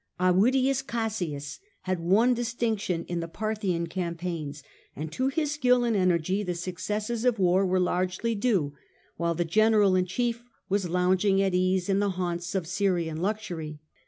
Avidius Cassius had won distinction in the Parthian campaigns, and to his skill and energy the successes of the war were largely due, while the general in chief was lounging at ease in the haunts of Syrian luxury.